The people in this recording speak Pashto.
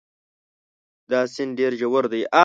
دا سیند ډېر ژور دی.